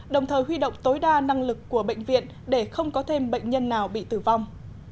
đồng thời huy động tối đa năng lực của bệnh viện để không có thêm bệnh nhân nào bị tử vong